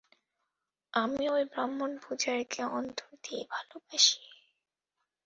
আমি ঐ ব্রাহ্মণ-পূজারীকে অন্তর দিয়ে ভালবাসি।